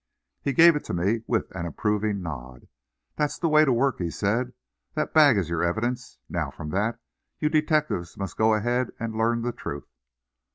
He gave it to me with an approving nod. "That's the way to work," he said. "That bag is your evidence. Now from that, you detectives must go ahead and learn the truth."